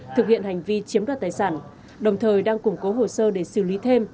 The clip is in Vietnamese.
thực hiện hành vi chiếm đoạt tài sản đồng thời đang củng cố hồ sơ để xử lý thêm